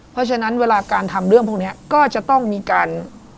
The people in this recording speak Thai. เพราะฉะนั้นเวลาการทำเรื่องพวกนี้ก็จะต้องมีการ